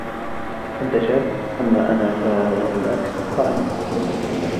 أنت شاب. أما أنا -فعلى العكس- طاعن في السن.